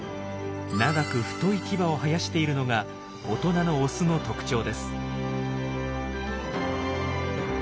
長く太い牙を生やしているのが大人のオスの特徴です。